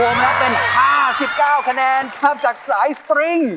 รวมแล้วเป็น๕๙คะแนนครับจากสายสตริง